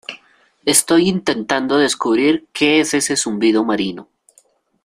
estoy intentando descubrir que es ese zumbido marino.